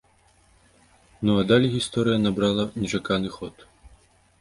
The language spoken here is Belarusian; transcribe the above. Ну а далей гісторыя набрала нечаканы ход.